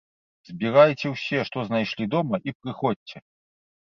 Збірайце ўсе, што знайшлі дома і прыходзьце!